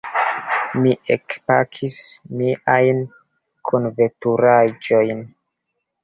Mi ekpakis miajn kunveturaĵojn.